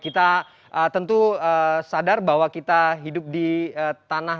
kita tentu sadar bahwa kita hidup di tanah